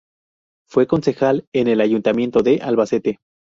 Fue concejal en el Ayuntamiento de Albacete.